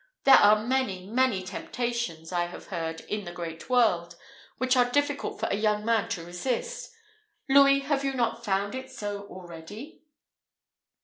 There are many, many temptations, I have heard, in the great world, which are difficult for a young man to resist. Louis, have you not found it so already?"